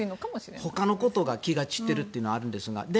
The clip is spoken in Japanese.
他のことに気が散ってるというのもあるんですが。